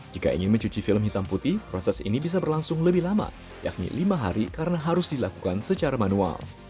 jika ingin mencuci film hitam putih proses ini bisa berlangsung lebih lama yakni lima hari karena harus dilakukan secara manual